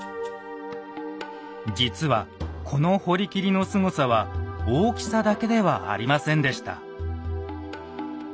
実はこの堀切のすごさは大きさだけではありませんでした。